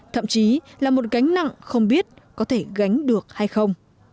thậm chí là một gánh nặng không biết có thể gánh được hay không